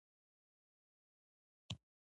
د وړکتوب ځينې خاطرې خورا په زړه پورې وي.